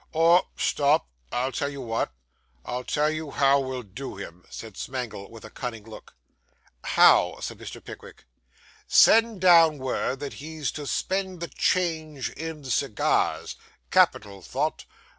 Or stop I'll tell you what I'll tell you how we'll do him,' said Smangle, with a cunning look. 'How?' said Mr. Pickwick. 'Send down word that he's to spend the change in cigars. Capital thought.